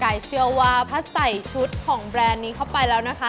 เชื่อว่าถ้าใส่ชุดของแบรนด์นี้เข้าไปแล้วนะคะ